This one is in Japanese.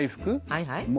はいはい。